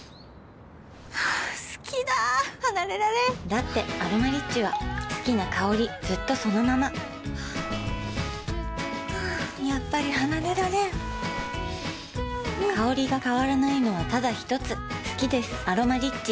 好きだ離れられんだって「アロマリッチ」は好きな香りずっとそのままやっぱり離れられん香りが変わらないのはただひとつ好きです「アロマリッチ」